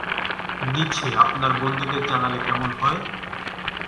নীচে আপনার বন্ধুদের জানালে কেমন হয়?